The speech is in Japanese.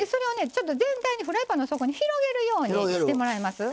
ちょっと全体にフライパンの底に広げるようにしてもらえます？